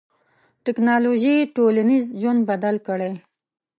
ټکنالوژي ټولنیز ژوند بدل کړی.